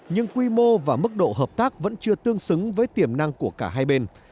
nhưng quy mô và mức độ hợp tác vẫn chưa tương xứng với tiềm năng của cả hai bên